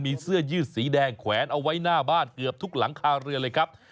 มีเสื้อยืดสีแดงแขวนเอาไว้หน้าบ้านเกือบทุกหลังคาเรือเลยครับ